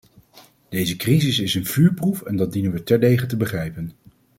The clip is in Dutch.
Deze crisis is een vuurproef en dat dienen we terdege te begrijpen.